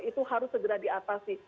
itu harus segera diatasi